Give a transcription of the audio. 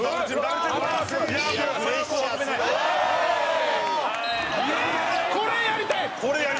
副島：これ、やりたい！